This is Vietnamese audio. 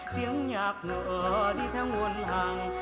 tiếng nhạc ngựa đi theo nguồn hàng